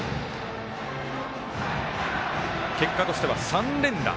結果としては３連打。